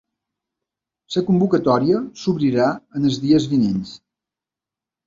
La convocatòria s’obrirà en els dies vinents.